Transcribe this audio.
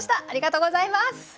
ありがとうございます！